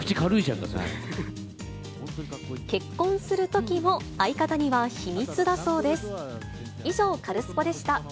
結婚するときも相方には秘密だそうです。